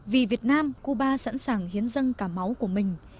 vì việt nam cuba sẵn sàng hiến dâng cả máu của mình